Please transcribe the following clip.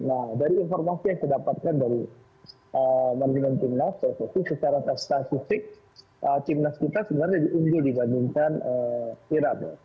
nah dari informasi yang saya dapatkan dari marjina timnas secara statistik timnas kita sebenarnya di unggul dibandingkan irak